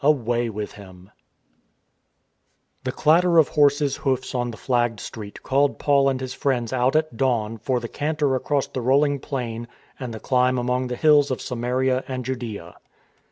XXIX "AWAY WITH HIM" THE clatter of horses' hoofs on the flagged street called Paul and his friends out at dawn for the canter across the rolling plain and the climb among the hills of Samaria and Judsea.